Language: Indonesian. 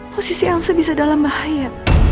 posisi yang sebisa dalam bahaya